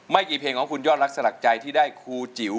กี่เพลงของคุณยอดรักสลักใจที่ได้ครูจิ๋ว